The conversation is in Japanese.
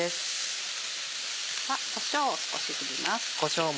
こしょうを少し振ります。